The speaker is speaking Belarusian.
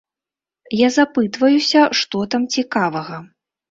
Я запытваюся, што там цікавага.